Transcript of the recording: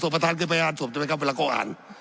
สวบประธานก็ไปอ่านวันที่หายอ่าน